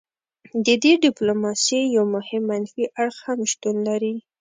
د دې ډیپلوماسي یو مهم منفي اړخ هم شتون لري